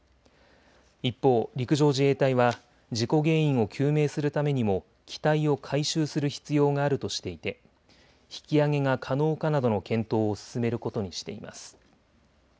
一方、陸上自衛隊は事故原因を究明するためにも機体を回収する必要があるとしていて引き揚げが可能かなどの検討を進めることにしています。